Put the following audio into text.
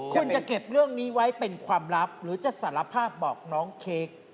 คุณจะเก็บเรื่องนี้ไว้เป็นความลับหรือจะสารภาพบอกน้องเค้ก